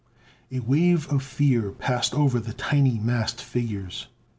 A wave of fear passed over the tiny massed figures.